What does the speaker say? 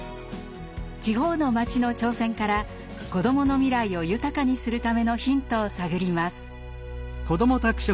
地方の町の挑戦から子どもの未来を豊かにするためのヒントを探ります。